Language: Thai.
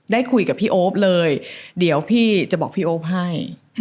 ได้คุยกับพี่โอ๊ปเลยเดี๋ยวพี่จะบอกพี่โอ๊ปให้